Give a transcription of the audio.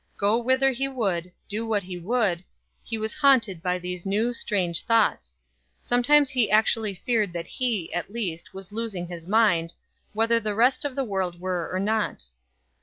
Go whither he would, do what he would, he was haunted by these new, strange thoughts. Sometimes he actually feared that he, at least, was losing his mind, whether the rest of the world were or not.